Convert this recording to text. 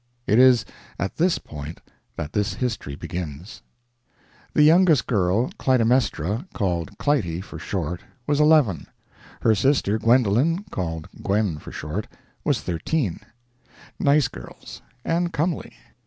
It is at this point that this history begins. The youngest girl, Clytemnestra called Clytie for short was eleven; her sister, Gwendolen called Gwen for short was thirteen; nice girls, and comely.